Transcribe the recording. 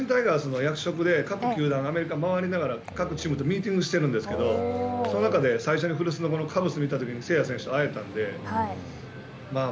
今、僕、阪神タイガースの役職で各球団回りながら各チームとミーティングしているんですけど、その中で最初の古巣のカブスで誠也選手と会えたので。